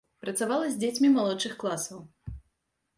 Працавала з дзецьмі малодшых класаў.